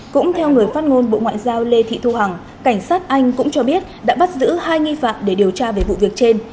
cũng theo người phát ngôn bộ ngoại giao lê thị thu hằng cảnh sát anh cũng cho biết đã bắt giữ hai nghi phạm để điều tra về vụ việc trên